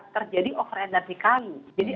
terjadi oferan nanti kali jadi